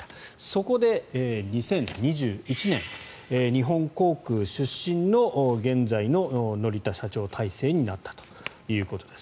そこで２０２１年日本航空出身の現在の乗田社長体制になったということです。